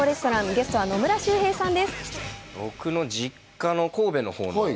ゲストは野村周平さんです。